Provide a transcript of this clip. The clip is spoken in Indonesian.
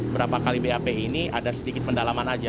berapa kali bap ini ada sedikit pendalaman aja